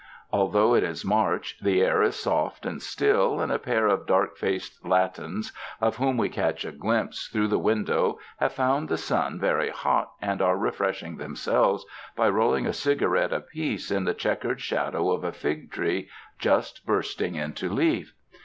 Although it is March, the air is soft and still, and a pair of dark faced Latins of whom we catch a glimpse through the window, have found the sun very hot and are refreshing themselves by rolling a cigarette apiece in the checkered shadow of a fig tree just bursting into leaf.